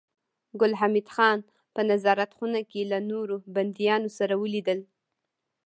ګل حمید خان په نظارت خونه کې له نورو بنديانو سره ولیدل